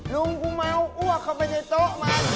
ลุงกูเมาอ้วกเข้าไปในโต๊ะมัน